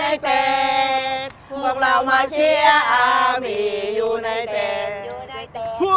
อัมมี่อยู่ในเต้น